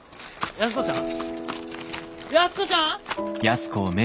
安子ちゃん！？